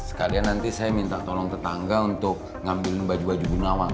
sekalian nanti saya minta tolong tetangga untuk ngambilin baju baju bu nawang